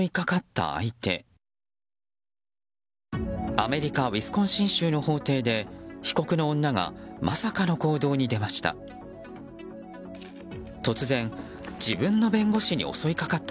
アメリカウィスコンシン州の法廷で被告の女がまさかの行動に出ました。